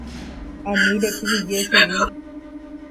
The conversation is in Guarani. Ani rekyhyje chugui.